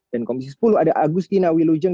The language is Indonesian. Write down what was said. dan komisi sepuluh ada agustina wilujeng